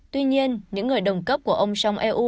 tuy nhiên những người đồng cấp của ông trong eu